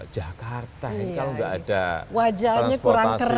jakarta ini kalau tidak ada transportasi